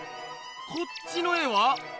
こっちの絵は？